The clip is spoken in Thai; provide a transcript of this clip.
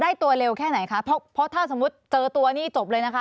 ตัวเร็วแค่ไหนคะเพราะถ้าสมมุติเจอตัวนี่จบเลยนะคะ